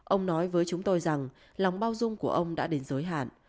ông nói với chúng tôi rằng lòng bao dung của ông đã đến dối hại